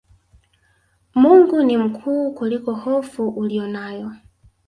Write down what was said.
Mungu ni mkuu kuliko hofu uliyonayo